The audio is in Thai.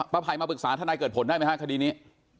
ป้าภัยมาปรึกษาท่านายเกิดผลได้ไหมครับคดีนี้